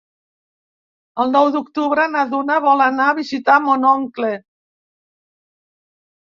El nou d'octubre na Duna vol anar a visitar mon oncle.